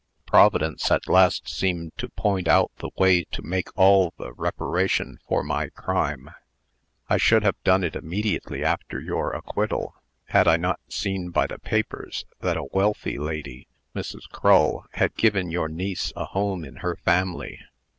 Providence at last seemed to point out the way to make all the reparation for my crime. I should have done it immediately after your acquittal, had I not seen by the papers that a wealthy lady Mrs. Crull had given your niece a home in her family.